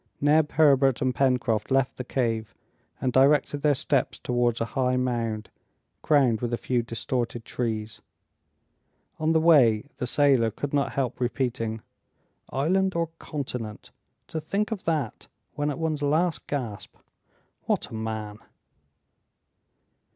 Neb, Herbert, and Pencroft left the cave and directed their steps towards a high mound crowned with a few distorted trees. On the way the sailor could not help repeating, "Island or continent! To think of that, when at one's last gasp! What a man!"